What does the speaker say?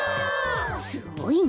すごいね。